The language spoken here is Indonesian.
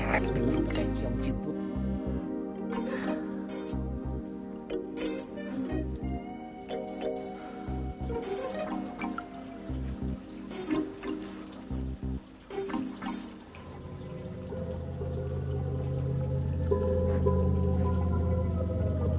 aduh kejam jeput